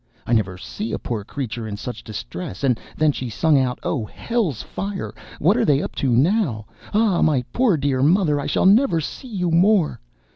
I never see a poor creature in such distress and then she sung out: 'O, H ll's fire! What are they up to now? Ah, my poor dear mother, I shall never see you more!'